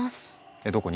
えどこに？